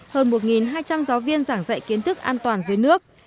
hơn một hai trăm linh giáo viên giảng dạy kiến thức an toàn dưới nước